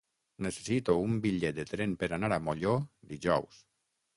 Necessito un bitllet de tren per anar a Molló dijous.